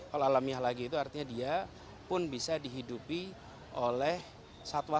kalau alamiah lagi itu artinya dia pun bisa dihidupi oleh satwa